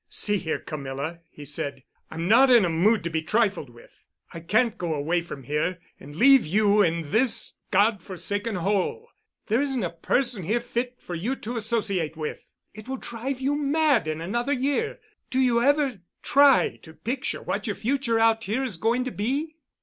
"See here, Camilla," he said, "I'm not in a mood to be trifled with. I can't go away from here and leave you in this God forsaken hole. There isn't a person here fit for you to associate with. It will drive you mad in another year. Do you ever try to picture what your future out here is going to be?"